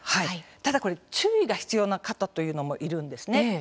ただ、注意が必要な方というのもいるんですね。